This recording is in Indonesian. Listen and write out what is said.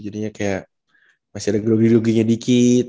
jadinya kayak masih ada gelug geluginya dikit